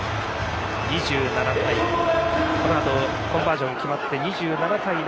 このあとコンバージョン決まって２７対７。